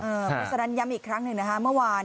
พริษัทันยำอีกครั้งหนึ่งนะฮะ